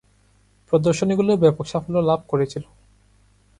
প্রদর্শনীগুলো ব্যাপক সাফল্য লাভ করেছিল।